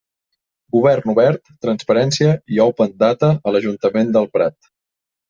Govern obert, transparència i open data a l'Ajuntament del Prat.